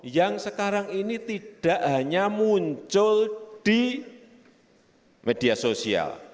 yang sekarang ini tidak hanya muncul di media sosial